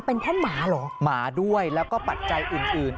เป็นเพราะหมาเหรอหมาด้วยแล้วก็ปัจจัยอื่น